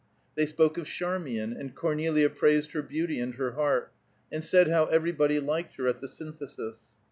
They spoke of Charmian, and Cornelia praised her beauty and her heart, and said how everybody liked her at the Synthesis.